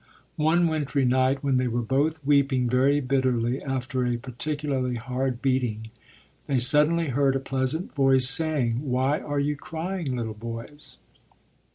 One wintry night, when they were both weeping very bitterly after a particularly hard beating, they suddenly heard a pleasant voice saying: "Why are you crying, little boys?"